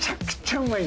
うまい。